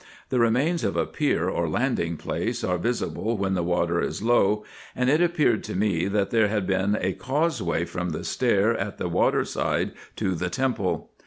The remains of a pier or landing place are visible when the water is low ; and it appeared to me, that there had been a causeway from the stair at the water side to the temple.